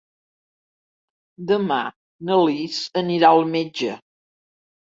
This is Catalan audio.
Demà na Lis anirà al metge.